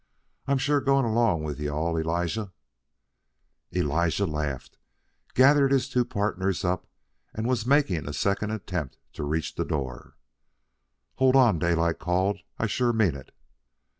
I'm sure going along with you all, Elijah." Elijah laughed, gathered his two partners up, and was making a second attempt to reach the door. "Hold on," Daylight called. "I sure mean it."